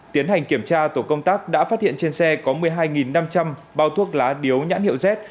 tiến hành kiểm tra tổ công tác đã phát hiện trên xe có một mươi hai năm trăm linh bao thuốc lá điếu nhãn hiệu z